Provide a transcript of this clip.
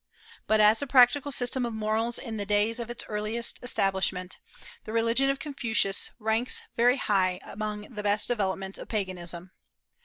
But as a practical system of morals in the days of its early establishment, the religion of Confucius ranks very high among the best developments of Paganism.